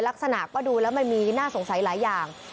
ลักษณะก็ดูแล้วมันมีน่าสงสัยหลายอย่าง